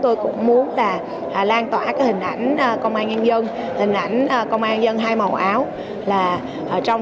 tôi cũng muốn là lan tỏa cái hình ảnh công an nhân dân hình ảnh công an dân hai màu áo là trong